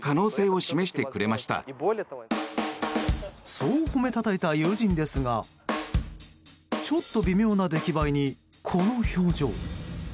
そう褒めたたえた友人ですがちょっと微妙な出来栄えにこの表情。